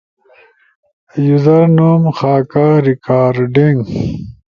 یوزر نوم، خاکہ، ریکارڈنگ